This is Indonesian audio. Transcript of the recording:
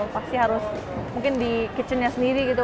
pasti harus mungkin di kitchen nya sendiri gitu